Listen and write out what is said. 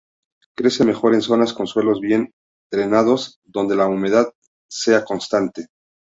Crece mejor en zonas con suelos bien drenados donde la humedad sea constante.